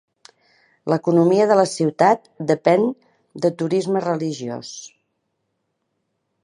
L'economia de la ciutat depèn de turisme religiós.